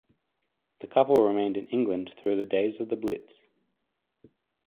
The couple remained in England through the days of The Blitz.